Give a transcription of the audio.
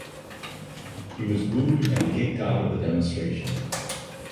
He was booed and kicked out of the demonstration.